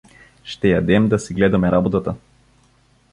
Ще ядем да си гледаме работата“.